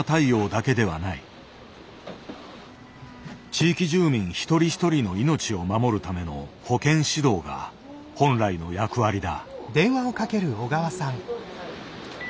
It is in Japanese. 地域住民一人一人の命を守るための「保健指導」が本来の役割だ。